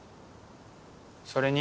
それに？